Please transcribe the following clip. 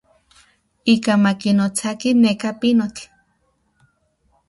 Ikaj ma kinotsati neka pinotl.